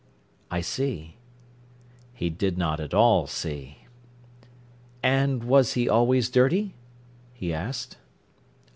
"I see." He did not at all see. "And was he always dirty?" he asked.